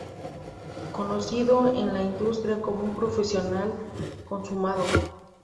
Conocido en la industria como un profesional consumado.